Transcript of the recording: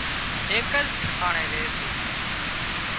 ايڪز ٺڪاڻي ري سي